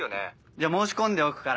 じゃあ申し込んでおくから。